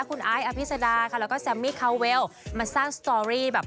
คุณไอ้อภิษดาค่ะแล้วก็แซมมี่คาวเวลมาสร้างสตอรี่แบบ